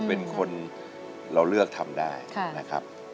เป็นคนเราเลือกทำได้นะครับ